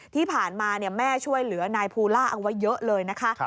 ที่ผ่านมาแม่ช่วยเหลือนายภูล่าเอาไว้เยอะเลยนะคะ